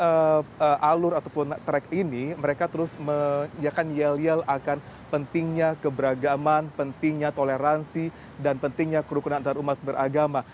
dan sepanjang alur ataupun trek ini mereka terus menyelilakan pentingnya keberagaman pentingnya toleransi dan pentingnya kerukunan antarumat beragama